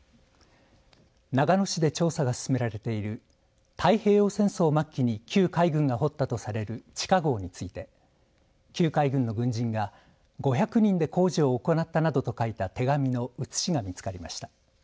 長野市で調査が進められている太平洋戦争末期に旧海軍が掘ったとされる地下ごうについて旧海軍の軍人が５００人で工事を行ったなどと書いた手紙の写しが見つかりました。